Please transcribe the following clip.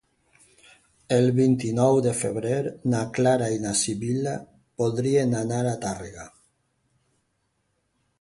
El vint-i-nou de febrer na Clara i na Sibil·la voldrien anar a Tàrrega.